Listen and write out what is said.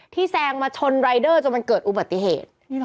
แซงมาชนรายเดอร์จนมันเกิดอุบัติเหตุ